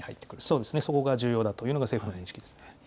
そうですね、そこが重要だというのが政府の認識ですね。